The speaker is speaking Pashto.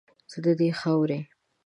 زه ددې خاورې